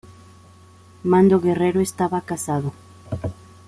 Mando Guerrero estaba casado.